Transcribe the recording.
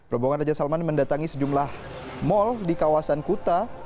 rombongan raja salman mendatangi sejumlah mal di kawasan kuta